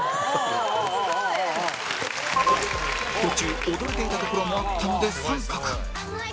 途中踊れていたところもあったので△